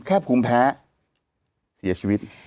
ภูมิแพ้เสียชีวิต